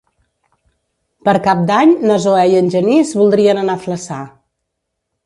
Per Cap d'Any na Zoè i en Genís voldrien anar a Flaçà.